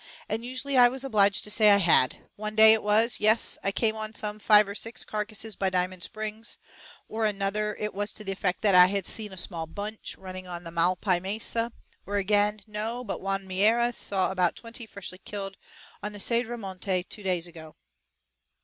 and usually I was obliged to say I had; one day it was, "Yes, I came on some five or six carcasses by Diamond Springs;" or another, it was to the effect that I had seen a small "bunch" running on the Malpai Mesa; or again, "No, but Juan Meira saw about twenty, freshly killed, on the Cedra Monte two days ago."